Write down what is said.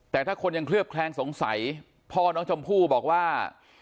แต่ถ้าคนยังเคลือบแคลงสงสัยพ่อน้องชมพู่บอกว่า